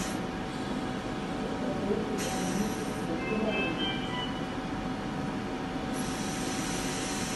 Cet oiseau est endémique de Sulawesi.